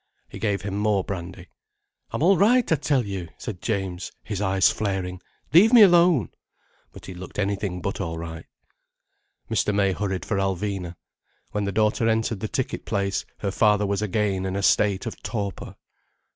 He gave him more brandy. "I'm all right, I tell you," said James, his eyes flaring. "Leave me alone." But he looked anything but all right. Mr. May hurried for Alvina. When the daughter entered the ticket place, her father was again in a state of torpor.